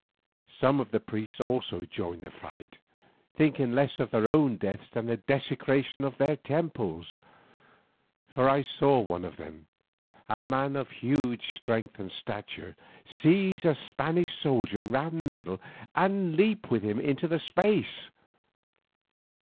Some of the priests also joined in the fight, thinking less of their own deaths than of the desecration of their temples, for I saw one of them, a man of huge strength and stature, seize a Spanish soldier round the middle and leap with him into space.